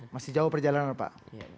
masih jauh perjalanan pak